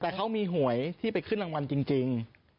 แต่เขามีหวยที่ไปขึ้นรางวัลจริง